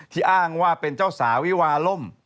อ้างว่าเป็นเจ้าสาววิวาล่ม